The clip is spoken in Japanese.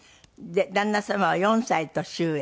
で旦那様は４歳年上。